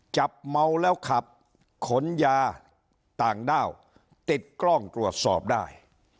จับเมาแล้วขับขนยาต่างด้าวติดกล้องตรวจสอบได้